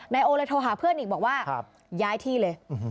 โอเลยโทรหาเพื่อนอีกบอกว่าย้ายที่เลย